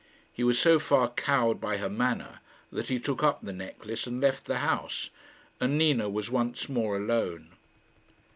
He was so far cowed by her manner that he took up the necklace and left the house, and Nina was once more alone.